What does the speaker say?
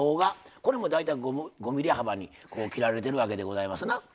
これも、大体５ｍｍ幅に切られてるわけでございますな。